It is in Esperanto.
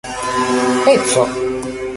peco